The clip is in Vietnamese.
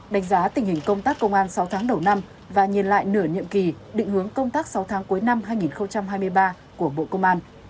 đánh giá tình hình công tác công an sáu tháng đầu năm và nhìn lại nửa nhiệm kỳ định hướng công tác sáu tháng cuối năm hai nghìn hai mươi ba của bộ công an